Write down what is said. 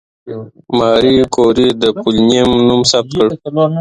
ماري کوري د پولونیم نوم ثبت کړ.